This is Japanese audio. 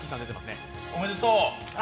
おめでとう。